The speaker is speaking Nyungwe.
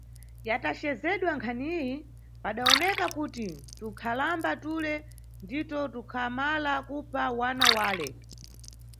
Yatajedzedwa nkhaniyi, padawoneka kuti tunkhalamba tule ndito tukhamala kupha wana wale.